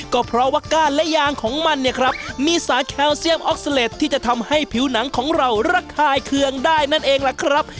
ก็เพราะว่าก้านและยางของมันเนี่ยครับมีสาแคลเซียมออกซิเล็ตที่จะทำให้ผิวหนังของเราระคายเคืองได้นั่นเองล่ะครับ